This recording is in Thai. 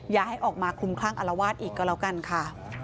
อย่าให้ออกมาคลุมคลั่งอารวาสอีกก็แล้วกันค่ะ